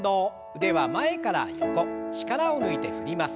腕は前から横力を抜いて振ります。